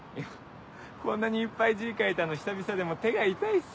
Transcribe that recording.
こんなにいっぱい字書いたの久々でもう手が痛いっす。